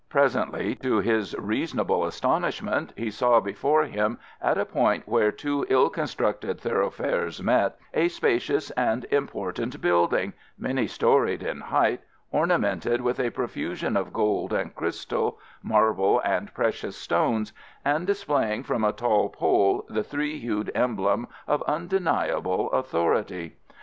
Presently, to his reasonable astonishment, he saw before him at a point where two ill constructed thoroughfares met, a spacious and important building, many storied in height, ornamented with a profusion of gold and crystal, marble and precious stones, and displaying from a tall pole the three hued emblem of undeniable authority.